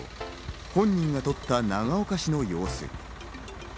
本人が撮った長岡市の様子。